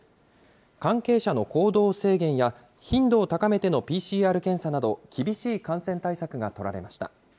関係者の行動制限や頻度を高めてのＰＣＲ検査など、厳しい感染対策が取られました。